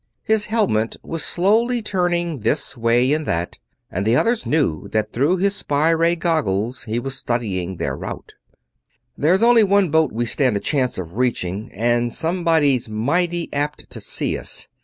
His helmet was slowly turning this way and that, and the others knew that through his spy ray goggles he was studying their route. "There's only one boat we stand a chance of reaching, and somebody's mighty apt to see us.